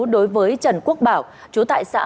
đối với trần quốc bảo chú tại xã